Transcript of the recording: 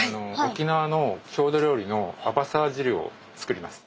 沖縄の郷土料理のアバサー汁を作ります。